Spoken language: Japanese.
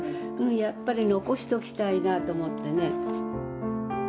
やっぱり残しときたいなと思ってね。